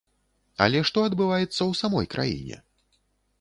Але што адбываецца ў самой краіне?